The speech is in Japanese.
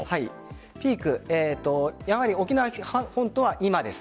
ピークやはり沖縄本島は今です。